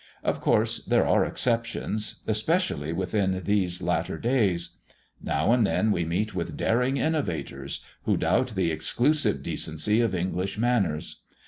Of course there are exceptions, especially within these latter days. Now and then we meet with daring innovators, who doubt the exclusive decency of English manners.